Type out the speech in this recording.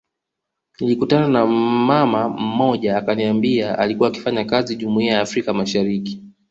Nilikutana na mama mmoja akaniambia alikua akifanya kazi jumuiya ya afrika mashariki